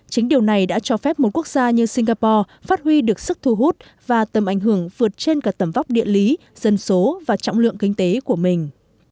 chính điều này đã cho phép một quốc gia như singapore phát huy được sức thu hút và tầm ảnh hưởng vượt trên cả tầm vóc địa lý dân số và trọng lượng kinh tế của mình